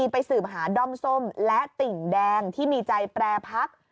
ไปสืบหาด้อมส้มและติ่งแดงที่มีใจแปรพัก